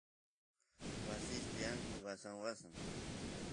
wasis tiyanku wasan wasan